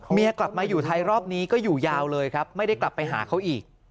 เมียกลับมาอยู่ไทยรอบนี้ก็อยู่ยาวเลยครับไม่ได้กลับไปหาเขาอีก